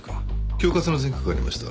恐喝の前科がありました。